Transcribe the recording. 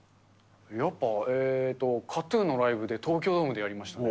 やっぱ、ＫＡＴーＴＵＮのライブで、東京ドームでやりましたね。